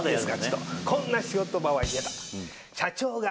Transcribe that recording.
「こんな仕事場はイヤだ‼」。